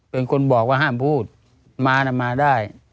เป็นคนบอกว่าห้ามพูดมานะมาได้